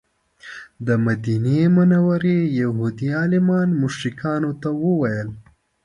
د مدینې منورې یهودي عالمانو مشرکانو ته وویل.